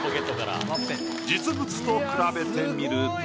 実物と比べてみると。